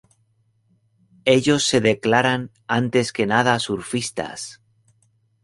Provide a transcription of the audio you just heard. Ellos se declaran antes que nada surfistas.